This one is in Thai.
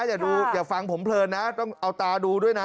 อย่าดูอย่าฟังผมเพลินนะต้องเอาตาดูด้วยนะ